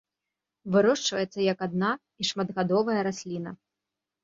Вырошчваецца як адна- і шматгадовая расліна.